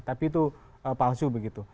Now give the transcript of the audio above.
tapi itu palsu begitu